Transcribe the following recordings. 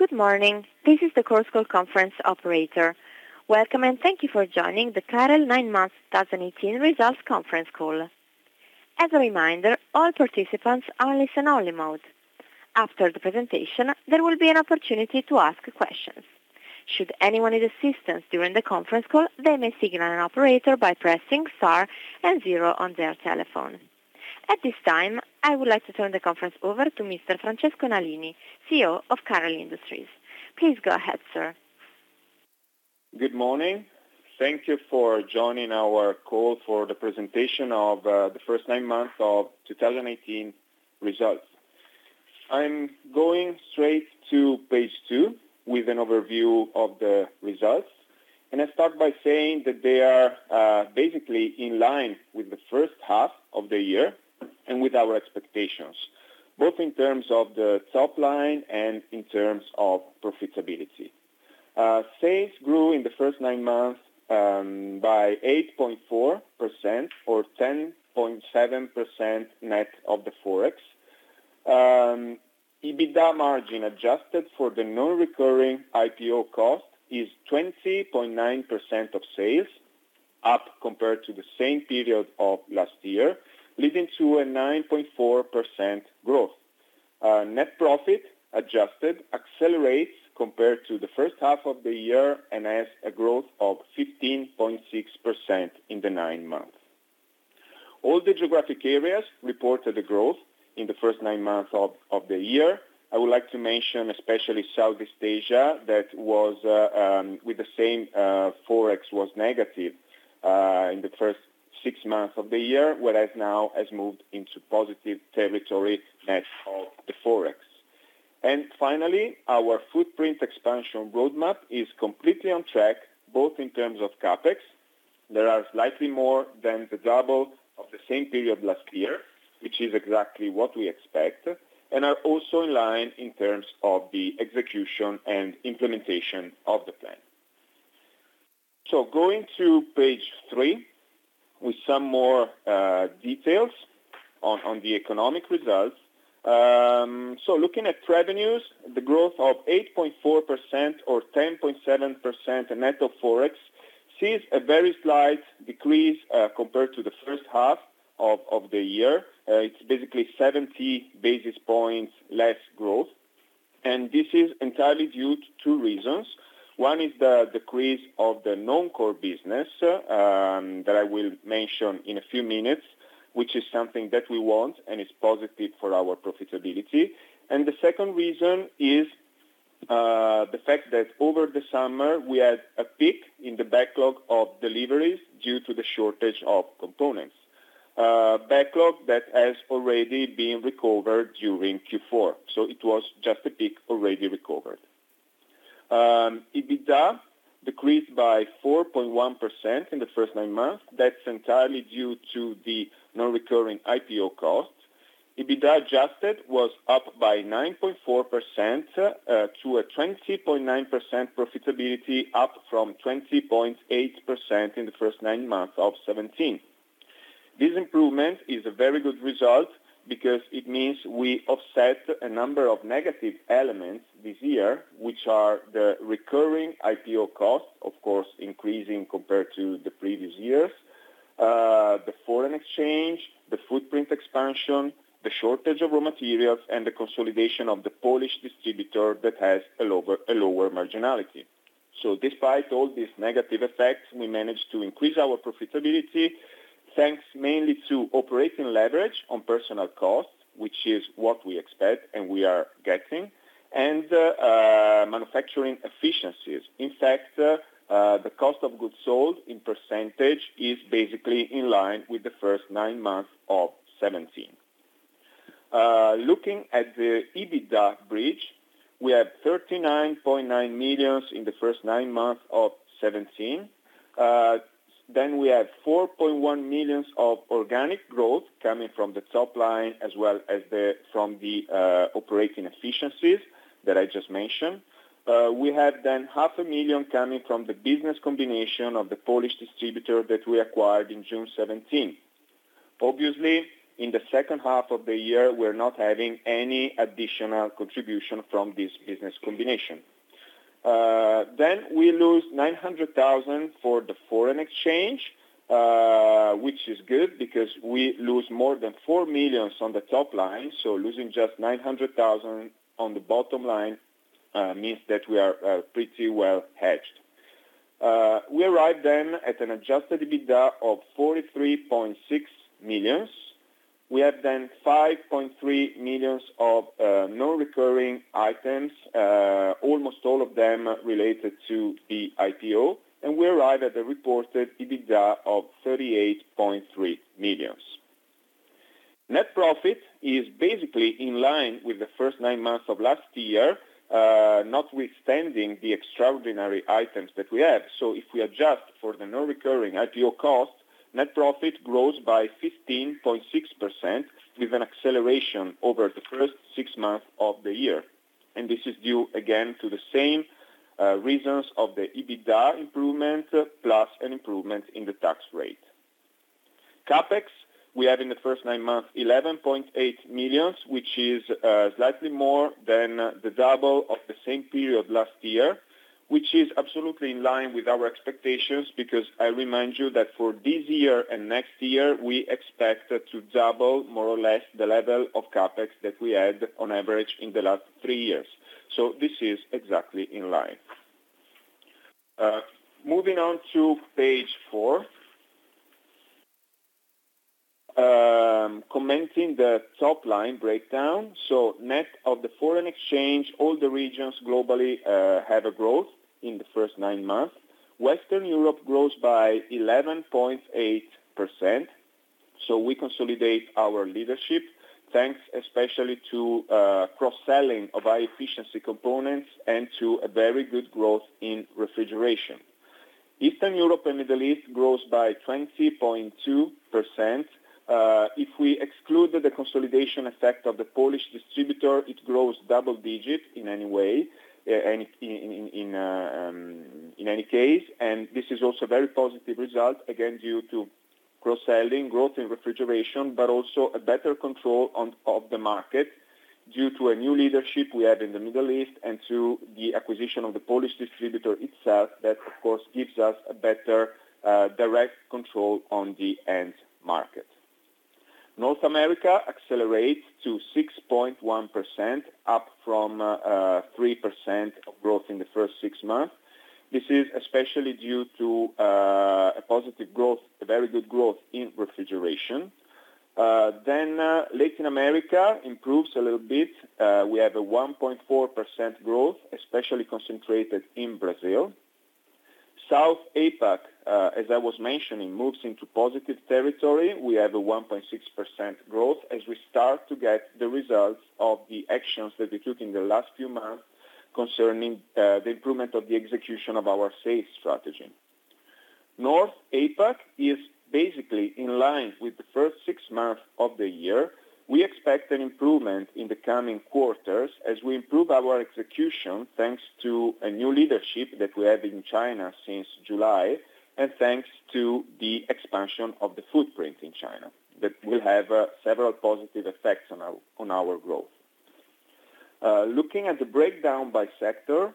Good morning. This is the conference call conference operator. Welcome, and thank you for joining the Carel nine months 2018 results conference call. As a reminder, all participants are in listen-only mode. After the presentation, there will be an opportunity to ask questions. Should anyone need assistance during the conference call, they may signal an operator by pressing star and zero on their telephone. At this time, I would like to turn the conference over to Mr. Francesco Nalini, CEO of Carel Industries. Please go ahead, sir. Good morning. Thank you for joining our call for the presentation of the first nine months of 2018 results. I'm going straight to page two with an overview of the results. I start by saying that they are basically in line with the first half of the year and with our expectations, both in terms of the top line and in terms of profitability. Sales grew in the first nine months by 8.4% or 10.7% net of the Forex. EBITDA margin, adjusted for the non-recurring IPO cost, is 20.9% of sales, up compared to the same period of last year, leading to a 9.4% growth. Net profit adjusted accelerates compared to the first half of the year and has a growth of 15.6% in the nine months. All the geographic areas reported a growth in the first nine months of the year. I would like to mention especially Southeast Asia, that with the same Forex was negative in the first six months of the year, whereas now has moved into positive territory net of the Forex. Finally, our footprint expansion roadmap is completely on track, both in terms of CapEx. There are slightly more than the double of the same period last year, which is exactly what we expect, and are also in line in terms of the execution and implementation of the plan. Going to page three with some more details on the economic results. Looking at revenues, the growth of 8.4% or 10.7% net of Forex sees a very slight decrease compared to the first half of the year. It's basically 70 basis points less growth. This is entirely due to two reasons. One is the decrease of the non-core business that I will mention in a few minutes, which is something that we want and is positive for our profitability. The second reason is the fact that over the summer, we had a peak in the backlog of deliveries due to the shortage of components. Backlog that has already been recovered during Q4. It was just a peak already recovered. EBITDA decreased by 4.1% in the first nine months. That's entirely due to the non-recurring IPO costs. EBITDA adjusted was up by 9.4% to a 20.9% profitability, up from 20.8% in the first nine months of 2017. This improvement is a very good result because it means we offset a number of negative elements this year, which are the recurring IPO costs, of course, increasing compared to the previous years, the foreign exchange, the footprint expansion, the shortage of raw materials, and the consolidation of the Polish distributor that has a lower marginality. Despite all these negative effects, we managed to increase our profitability, thanks mainly to operating leverage on personal costs, which is what we expect and we are getting, and manufacturing efficiencies. In fact, the cost of goods sold in % is basically in line with the first nine months of 2017. Looking at the EBITDA bridge, we have 39.9 million in the first nine months of 2017. We have 4.1 million of organic growth coming from the top line as well as from the operating efficiencies that I just mentioned. We have half a million EUR coming from the business combination of the Polish distributor that we acquired in June 2017. Obviously, in the second half of the year, we're not having any additional contribution from this business combination. We lose 900,000 for the foreign exchange, which is good because we lose more than 4 million on the top line. Losing just 900,000 on the bottom line means that we are pretty well hedged. We arrive at an adjusted EBITDA of 43.6 million. We have 5.3 million of non-recurring items, almost all of them related to the IPO, and we arrive at a reported EBITDA of 38.3 million. Net profit is basically in line with the first nine months of last year, notwithstanding the extraordinary items that we have. If we adjust for the non-recurring IPO cost, net profit grows by 15.6% with an acceleration over the first six months of the year. This is due, again, to the same reasons of the EBITDA improvement, plus an improvement in the tax rate. CapEx, we have in the first nine months, 11.8 million, which is slightly more than the double of the same period last year, which is absolutely in line with our expectations, because I remind you that for this year and next year, we expect to double more or less the level of CapEx that we had on average in the last three years. This is exactly in line. Moving on to page four. Commenting the top line breakdown. Net of the foreign exchange, all the regions globally had a growth in the first nine months. Western Europe grows by 11.8%. We consolidate our leadership, thanks especially to cross-selling of high-efficiency components and to a very good growth in refrigeration. Eastern Europe and Middle East grows by 20.2%. If we exclude the consolidation effect of the Polish distributor, it grows double digit in any case, this is also a very positive result, again due to cross-selling, growth in refrigeration, but also a better control of the market due to a new leadership we have in the Middle East and to the acquisition of the Polish distributor itself, that, of course, gives us a better direct control on the end market. North America accelerates to 6.1%, up from 3% growth in the first six months. This is especially due to a positive growth, a very good growth in refrigeration. Latin America improves a little bit. We have a 1.4% growth, especially concentrated in Brazil. South APAC, as I was mentioning, moves into positive territory. We have a 1.6% growth as we start to get the results of the actions that we took in the last few months concerning the improvement of the execution of our sales strategy. North APAC is basically in line with the first six months of the year. We expect an improvement in the coming quarters as we improve our execution, thanks to a new leadership that we have in China since July, and thanks to the expansion of the footprint in China, that will have several positive effects on our growth. Looking at the breakdown by sector,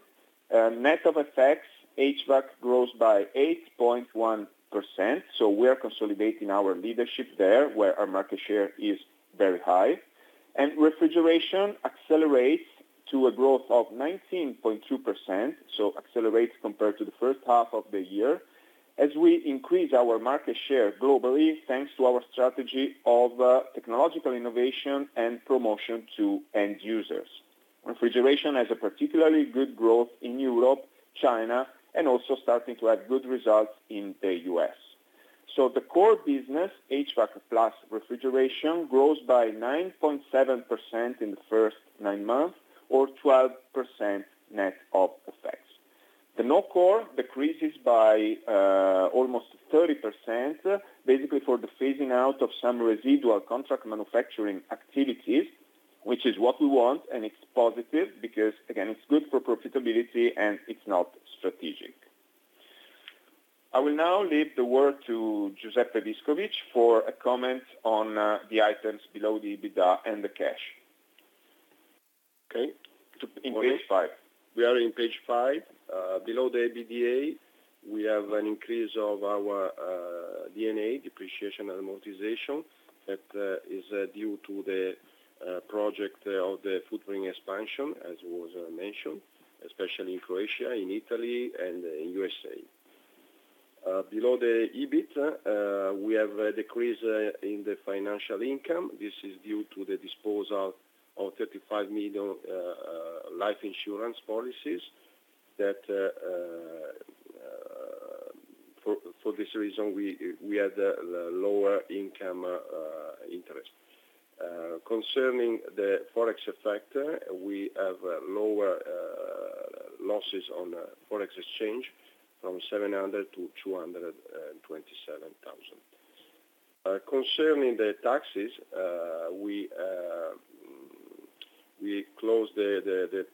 net of effects, HVAC grows by 8.1%. We are consolidating our leadership there, where our market share is very high. Refrigeration accelerates to a growth of 19.2%. It accelerates compared to the first half of the year, as we increase our market share globally, thanks to our strategy of technological innovation and promotion to end users. Refrigeration has a particularly good growth in Europe, China, and also starting to have good results in the U.S. The core business, HVAC plus refrigeration, grows by 9.7% in the first nine months or 12% net of effects. The no core decreases by almost 30%, basically for the phasing out of some residual contract manufacturing activities, which is what we want, and it's positive because, again, it's good for profitability and it's not strategic. I will now leave the word to Giuseppe Viscovich for a comment on the items below the EBITDA and the cash. Okay. On page five. We are in page five. Below the EBITDA, we have an increase of our D&A, depreciation and amortization. That is due to the project of the footprint expansion, as was mentioned, especially in Croatia, in Italy, and in U.S. Below the EBIT, we have a decrease in the financial income. This is due to the disposal of 35 million life insurance policies that, for this reason, we had a lower income interest. Concerning the Forex effect, we have lower losses on Forex exchange from 700 to 227,000. Concerning the taxes, we closed the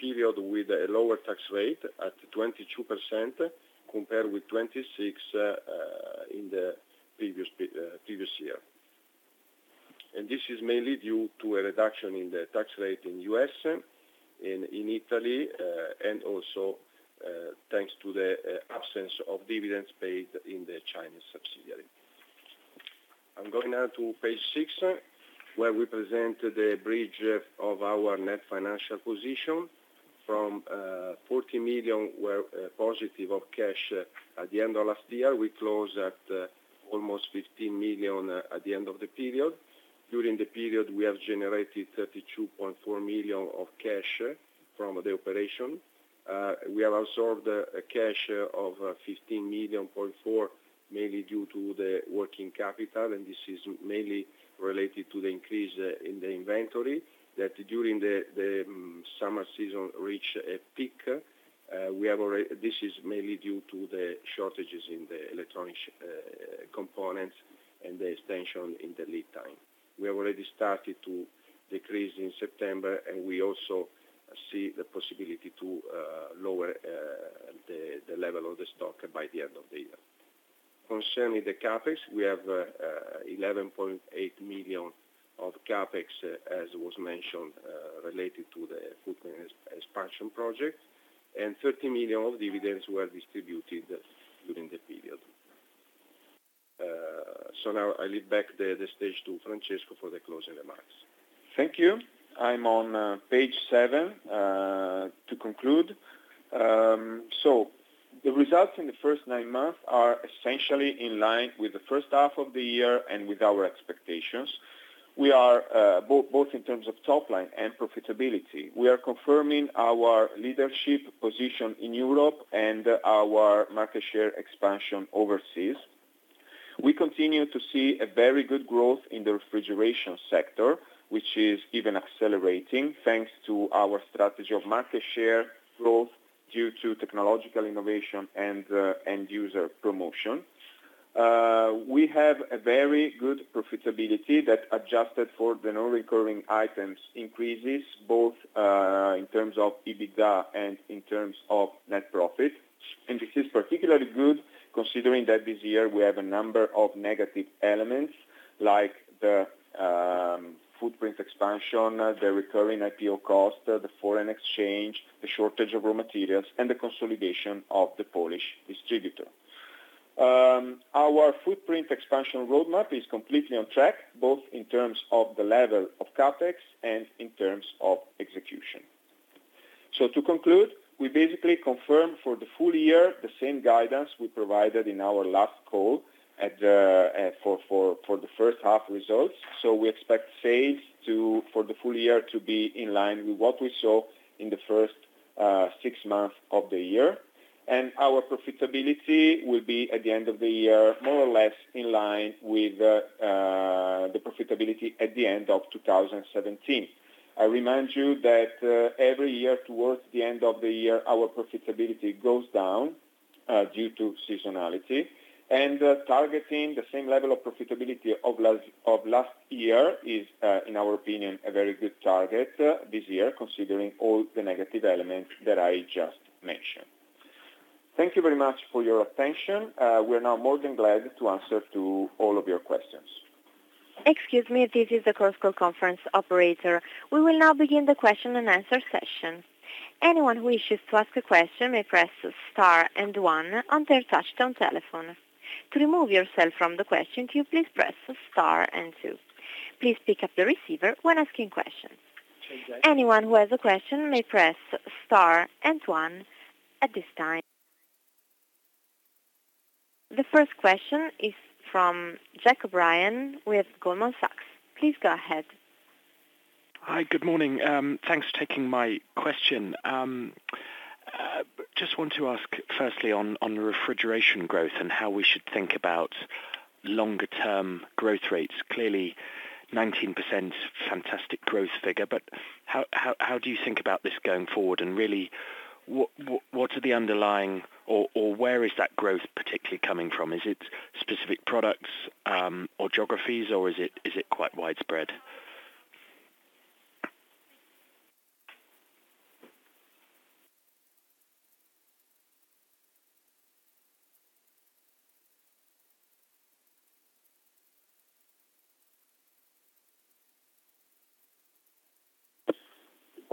period with a lower tax rate at 22% compared with 26% in the previous year. This is mainly due to a reduction in the tax rate in U.S. and in Italy, and also thanks to the absence of dividends paid in the Chinese subsidiary. I'm going now to page six, where we present the bridge of our net financial position. From 40 million positive of cash at the end of last year, we closed at almost 15 million at the end of the period. During the period, we have generated 32.4 million of cash from the operation. We have absorbed a cash of 15.4 million, mainly due to the working capital, and this is mainly related to the increase in the inventory that during the summer season reached a peak. This is mainly due to the shortages in the electronic components and the extension in the lead time. We have already started to decrease in September, and we also see the possibility to lower the level of the stock by the end of the year. Concerning the CapEx, we have 11.8 million of CapEx, as was mentioned, related to the footprint expansion project, and 30 million of dividends were distributed during the period. Now I leave back the stage to Francesco for the closing remarks. Thank you. I'm on page seven to conclude. The results in the first nine months are essentially in line with the first half of the year and with our expectations, both in terms of top line and profitability. We are confirming our leadership position in Europe and our market share expansion overseas. We continue to see a very good growth in the refrigeration sector, which is even accelerating thanks to our strategy of market share growth due to technological innovation and end user promotion. We have a very good profitability that, adjusted for the non-recurring items, increases both in terms of EBITDA and in terms of net profit. This is particularly good considering that this year we have a number of negative elements like the footprint expansion, the recurring IPO cost, the foreign exchange, the shortage of raw materials, and the consolidation of the Polish distributor. Our footprint expansion roadmap is completely on track, both in terms of the level of CapEx and in terms of execution. To conclude, we basically confirm for the full year the same guidance we provided in our last call for the first half results. We expect sales for the full year to be in line with what we saw in the first six months of the year. Our profitability will be, at the end of the year, more or less in line with the profitability at the end of 2017. I remind you that every year, towards the end of the year, our profitability goes down due to seasonality. Targeting the same level of profitability of last year is, in our opinion, a very good target this year, considering all the negative elements that I just mentioned. Thank you very much for your attention. We're now more than glad to answer to all of your questions. Excuse me, this is the conference call operator. We will now begin the question and answer session. Anyone who wishes to ask a question may press star and one on their touch-tone telephone. To remove yourself from the question queue, please press star and two. Please pick up the receiver when asking questions. Anyone who has a question may press star and one at this time. The first question is from Jack O'Brien with Goldman Sachs. Please go ahead. Hi. Good morning. Thanks for taking my question. Just want to ask firstly on refrigeration growth and how we should think about longer term growth rates. Clearly, 19% is a fantastic growth figure, but how do you think about this going forward? Really, what are the underlying, or where is that growth particularly coming from? Is it specific products or geographies, or is it quite widespread?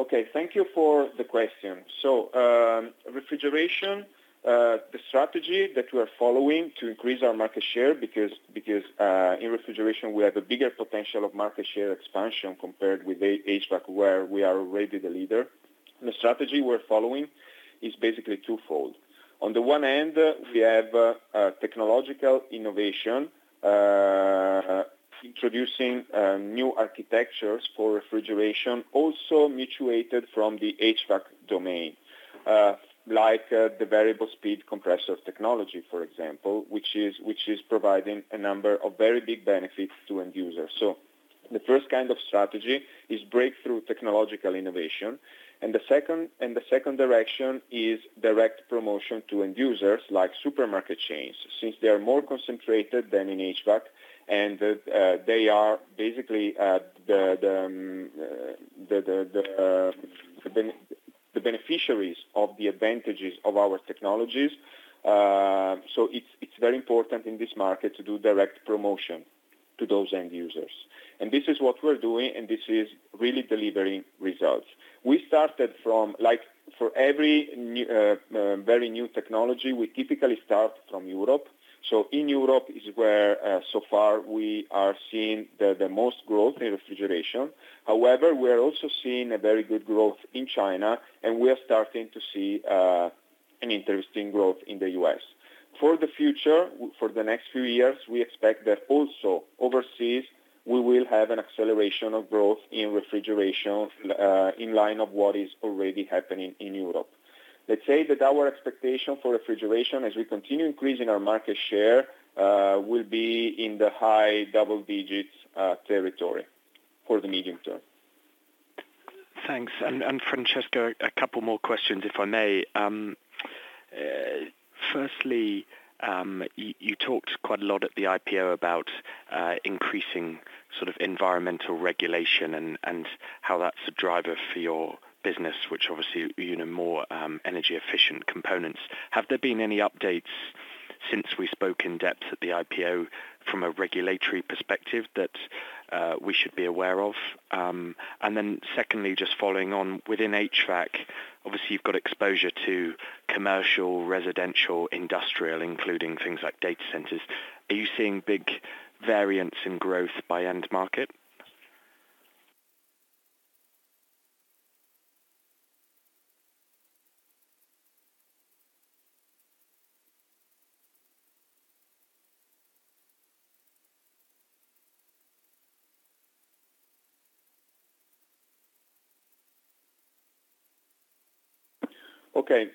Okay, thank you for the question. Refrigeration, the strategy that we are following to increase our market share, because in refrigeration, we have a bigger potential of market share expansion compared with HVAC, where we are already the leader. The strategy we're following is basically twofold. On the one end, we have technological innovation, introducing new architectures for refrigeration, also mutuated from the HVAC domain, like the variable speed compressor technology, for example, which is providing a number of very big benefits to end users. The first kind of strategy is breakthrough technological innovation, and the second direction is direct promotion to end users like supermarket chains, since they are more concentrated than in HVAC, and they are basically the beneficiaries of the advantages of our technologies. It's very important in this market to do direct promotion to those end users. This is what we're doing, and this is really delivering results. Like for every very new technology, we typically start from Europe. In Europe is where so far we are seeing the most growth in refrigeration. However, we are also seeing a very good growth in China, and we are starting to see an interesting growth in the U.S. For the future, for the next few years, we expect that also overseas, we will have an acceleration of growth in refrigeration, in line of what is already happening in Europe. Let's say that our expectation for refrigeration, as we continue increasing our market share, will be in the high double digits territory for the medium term. Thanks. Francesco, a couple more questions, if I may. Firstly, you talked quite a lot at the IPO about increasing environmental regulation and how that's a driver for your business, which obviously, more energy efficient components. Have there been any updates since we spoke in depth at the IPO from a regulatory perspective that we should be aware of? Then secondly, just following on, within HVAC, obviously you've got exposure to commercial, residential, industrial, including things like data centers. Are you seeing big variance in growth by end market? Okay.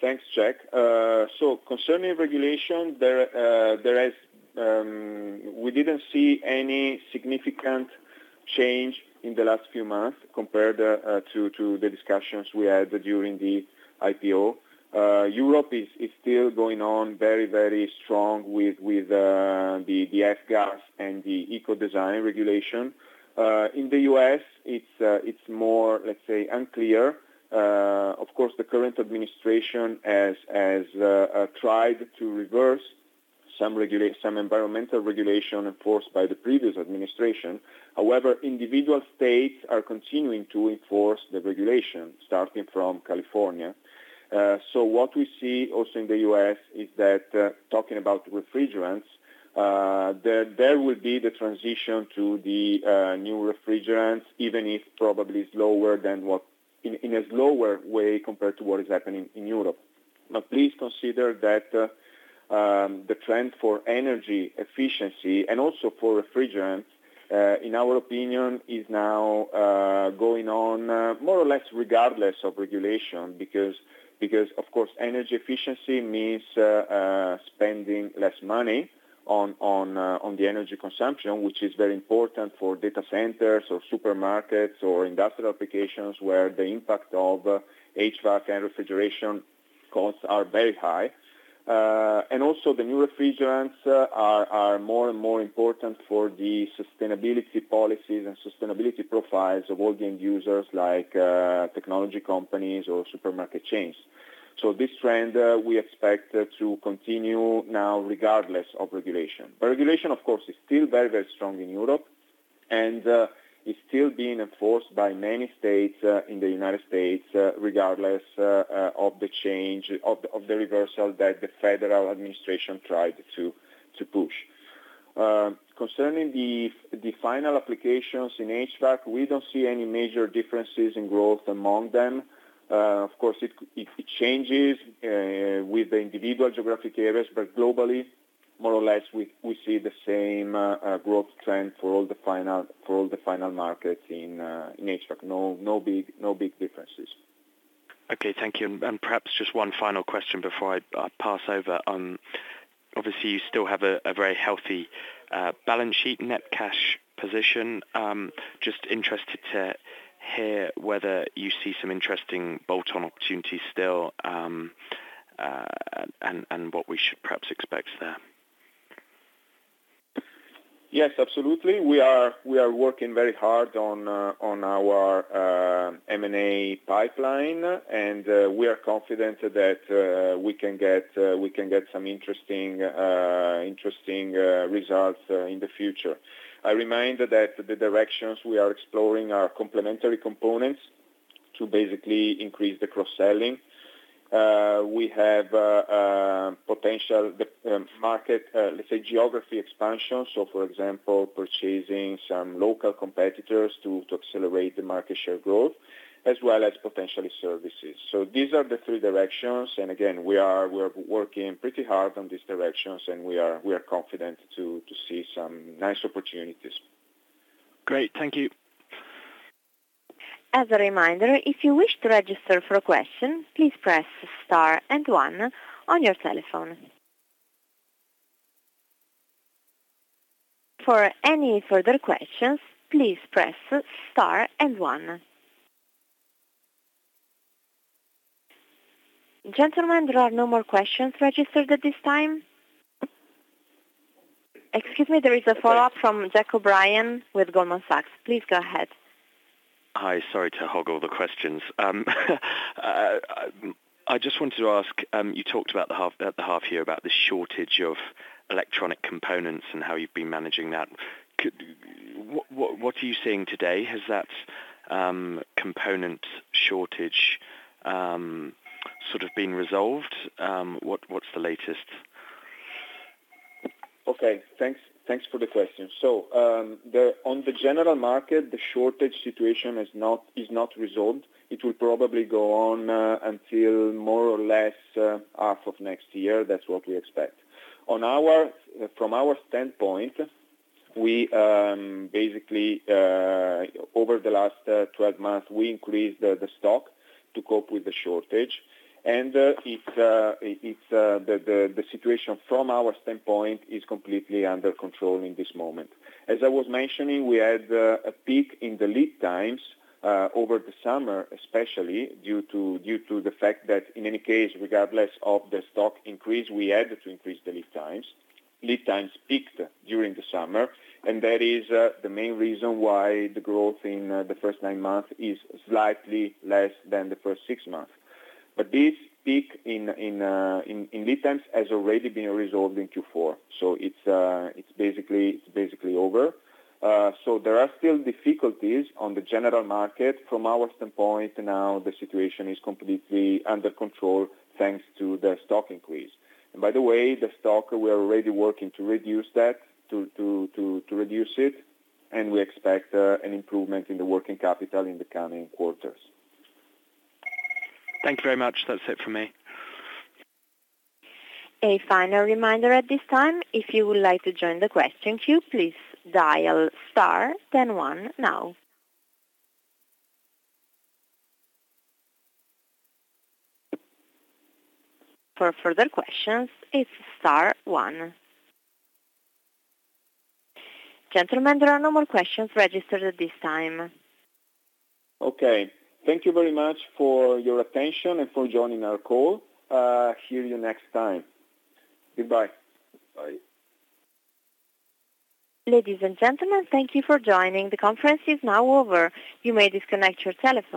Thanks, Jack. Concerning regulation, we didn't see any significant change in the last few months compared to the discussions we had during the IPO. Europe is still going on very strong with the F-gas and the Ecodesign Regulation. In the U.S., it's more, let's say, unclear. Of course, the current administration has tried to reverse some environmental regulation enforced by the previous administration. However, individual states are continuing to enforce the regulation, starting from California. What we see also in the U.S. is that, talking about refrigerants, there will be the transition to the new refrigerants, even if probably in a slower way compared to what is happening in Europe. Please consider that the trend for energy efficiency and also for refrigerants, in our opinion, is now going on more or less regardless of regulation. Of course, energy efficiency means spending less money on the energy consumption, which is very important for data centers or supermarkets or industrial applications, where the impact of HVAC and refrigeration costs are very high. Also the new refrigerants are more and more important for the sustainability policies and sustainability profiles of all the end users, like technology companies or supermarket chains. This trend, we expect to continue now regardless of regulation. Regulation, of course, is still very strong in Europe and is still being enforced by many states in the United States, regardless of the reversal that the federal administration tried to push. Concerning the final applications in HVAC, we don't see any major differences in growth among them. It changes with the individual geographic areas. We see the same growth trend for all the final markets in HVAC. No big differences. Okay, thank you. Perhaps just one final question before I pass over. Obviously, you still have a very healthy balance sheet net cash position. Just interested to hear whether you see some interesting bolt-on opportunities still, and what we should perhaps expect there. Yes, absolutely. We are working very hard on our M&A pipeline, and we are confident that we can get some interesting results in the future. I remind that the directions we are exploring are complementary components to basically increase the cross-selling. We have potential market, let's say, geography expansion. For example, purchasing some local competitors to accelerate the market share growth, as well as potentially services. These are the three directions. Again, we are working pretty hard on these directions, and we are confident to see some nice opportunities. Great. Thank you. As a reminder, if you wish to register for a question, please press Star and one on your telephone. For any further questions, please press Star and one. Gentlemen, there are no more questions registered at this time. Excuse me, there is a follow-up from Jack O'Brien with Goldman Sachs. Please go ahead. Hi. Sorry to hog all the questions. I just wanted to ask, you talked about at the half year about the shortage of electronic components and how you've been managing that. What are you seeing today? Has that component shortage sort of been resolved? What's the latest? Okay. Thanks for the question. On the general market, the shortage situation is not resolved. It will probably go on until more or less half of next year. That's what we expect. From our standpoint, basically, over the last 12 months, we increased the stock to cope with the shortage, and the situation from our standpoint is completely under control in this moment. As I was mentioning, we had a peak in the lead times over the summer, especially due to the fact that in any case, regardless of the stock increase, we had to increase the lead times. Lead times peaked during the summer, and that is the main reason why the growth in the first nine months is slightly less than the first six months. This peak in lead times has already been resolved in Q4. It's basically over. There are still difficulties on the general market. From our standpoint now, the situation is completely under control, thanks to the stock increase. By the way, the stock, we are already working to reduce it, and we expect an improvement in the working capital in the coming quarters. Thank you very much. That's it for me. A final reminder at this time. If you would like to join the question queue, please dial Star then one now. For further questions, it's Star one. Gentlemen, there are no more questions registered at this time. Okay. Thank you very much for your attention and for joining our call. Hear you next time. Goodbye. Bye. Ladies and gentlemen, thank you for joining. The conference is now over. You may disconnect your telephones.